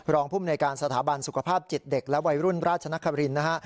ภูมิในการสถาบันสุขภาพจิตเด็กและวัยรุ่นราชนครินนะฮะ